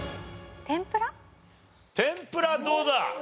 天ぷらどうだ？